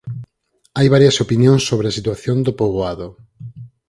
Hai varias opinións sobre a situación do poboado.